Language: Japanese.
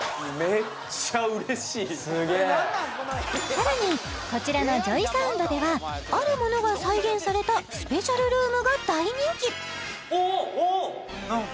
・すげさらにこちらのＪＯＹＳＯＵＮＤではあるものが再現されたスペシャルルームが大人気おっ！